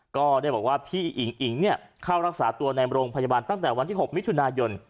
ก็ได้บอกว่าพี่อิ๋งอิ๋งเข้ารักษาตัวในโรงพยาบาลตั้งแต่วันที่๖มิถุนายน